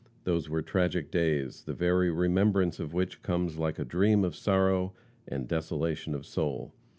Those were tragic days, the very remembrance of which comes like a dream of sorrow and desolation of soul.